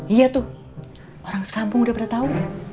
iya tuh orang sekampung udah pada tau